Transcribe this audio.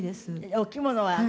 お着物はね